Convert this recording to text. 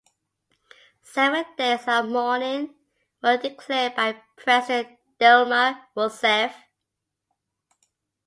Seven days of mourning were declared by President Dilma Rousseff.